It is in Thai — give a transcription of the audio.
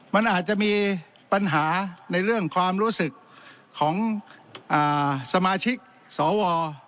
มันอาจจะมีปัญหาในเรื่องความรู้สึกของสมาชิกสว